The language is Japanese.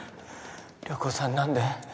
涼子さん何で？